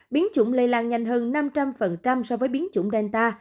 biến chủng lây lan nhanh hơn năm trăm linh so với biến chủng delta